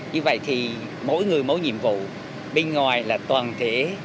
như vậy thì mỗi người mỗi nhiệm vụ bên ngoài là toàn thể